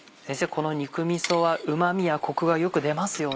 この肉みそはうまみやコクがよく出ますよね。